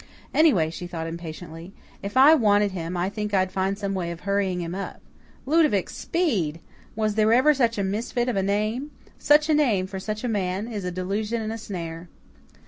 "Anyway," she thought, impatiently, "if I wanted him I think I'd find some way of hurrying him up. Ludovic SPEED! Was there ever such a misfit of a name? Such a name for such a man is a delusion and a snare."